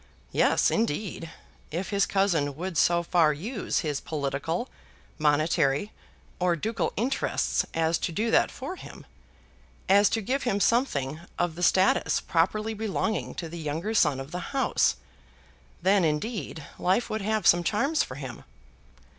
Yes, indeed! If his cousin would so far use his political, monetary, or ducal interest as to do that for him; as to give him something of the status properly belonging to the younger son of the House, then indeed life would have some charms for him!